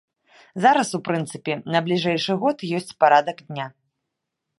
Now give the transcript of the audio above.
Зараз, у прынцыпе, на бліжэйшы год ёсць парадак дня.